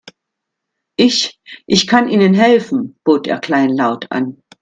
Ich, ich kann Ihnen helfen, bot er kleinlaut an.